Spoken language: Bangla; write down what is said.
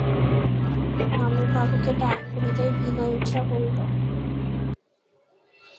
পানুবাবুকে ডাক পড়িতেই বিনয় উঠিয়া পড়িল।